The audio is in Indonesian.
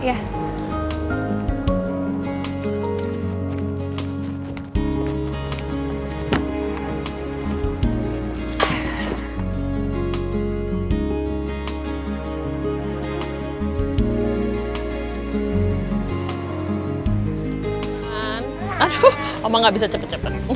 aduh mama gak bisa cepet cepet